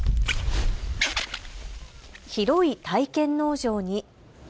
広い体験農場に。